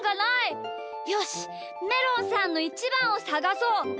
よしめろんさんのイチバンをさがそう！